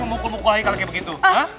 memukul mukul haikal kayak begitu